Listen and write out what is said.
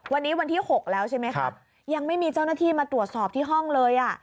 วันนี้วันที่๖แล้วใช่ไหมครับยังไม่มีเจ้าหน้าที่มาตรวจสอบที่ห้องเลยอ่ะ